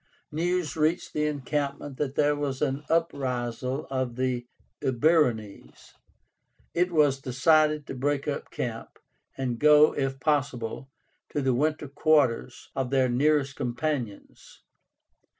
News reached the encampment that there was an uprisal of the Eburónes. It was decided to break up camp, and go, if possible, to the winter quarters of their nearest companions.